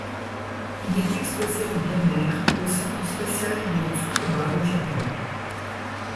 Il est exposé en plein air au Centre Spatial de Tsukuba au Japon.